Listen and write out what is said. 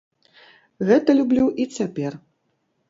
Гэта люблю і цяпер.